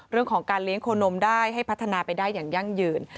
เรื่องของการเลี้ยงโคนมได้ให้พัฒนาไปได้อย่างยั่งยืน